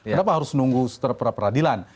kenapa harus nunggu setelah peradilan